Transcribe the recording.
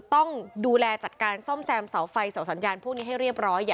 ต้องดูแลจัดการซ่อมแซมเสาไฟเสาสัญญาณพวกนี้ให้เรียบร้อย